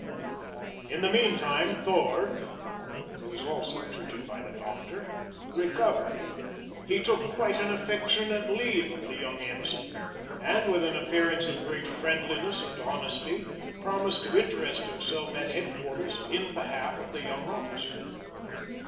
In the meantime, Throg, who was also treated by the doctor, recovered. He took quite an affectionate leave of the young ensign, and with an appearance of great friendliness and honesty, promised to interest himself at headquarters in behalf of the young officer.